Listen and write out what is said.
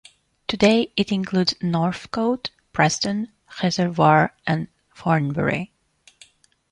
Today it includes Northcote, Preston, Reservoir and Thornbury.